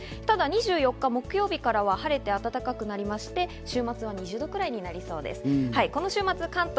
ただ２４日木曜日からは晴れて暖かくなりまして、週末は２０度くらいになりそうです。